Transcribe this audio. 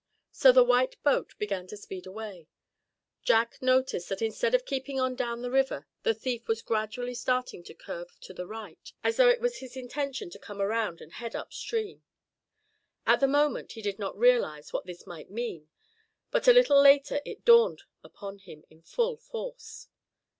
So the white boat began to speed away. Jack noticed that instead of keeping on down the river, the thief was gradually starting to curve to the right, as though it was his intention to come around and head up stream. At the moment he did not realize what this might mean but a little later it dawned upon him in full force.